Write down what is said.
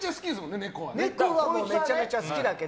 ネコはめちゃめちゃ好きだけど。